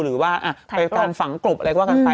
หรือว่าละลูกกรานฝังกรบหรืออะไรก็ว่ากันไป